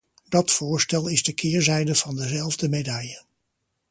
Dat voorstel is de keerzijde van dezelfde medaille.